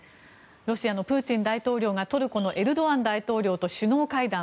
ロシアのプーチン大統領がトルコのエルドアン大統領と首脳会談。